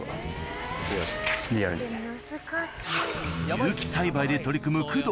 有機栽培で取り組む工藤